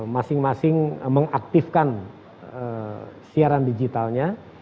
masing masing mengaktifkan siaran digitalnya